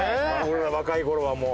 俺ら若い頃はもう。